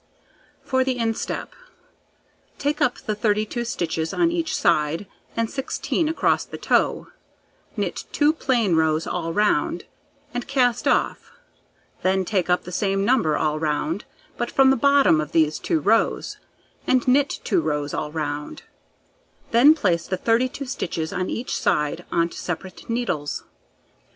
For the instep: Take up the 32 stitches on each side, and 16 across the toe, knit 2 plain rows all round, and cast off; then take up the same number all round, but from the bottom of these 2 rows, and knit 2 rows all round; then place the 32 stitches on each side on to separate needles.